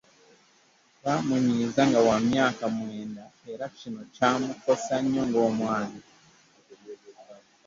Baamuyinza nga wa myaka mwenda era kino kyamukosa nnyo ng'omwana.